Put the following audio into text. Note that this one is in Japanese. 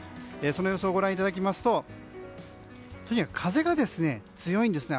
その予想をご覧いただきますととにかく風が強いんですね